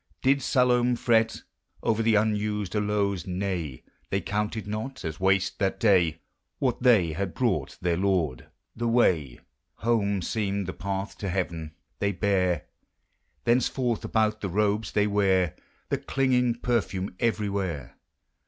Did Salome fret Over the unused aloes? Nay! ' They counted not as wash', that day. What (hey had brought their Lord. The way Home seemed the path i<> heaven. They bare, Thenceforth, about the cobes they ware The clinging perfume everywhere.